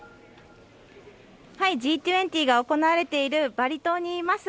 Ｇ２０が行われているバリ島にいます。